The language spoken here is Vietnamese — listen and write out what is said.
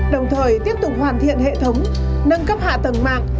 đồng thời tiếp tục hoàn thiện hệ thống nâng cấp hạ tầng mạng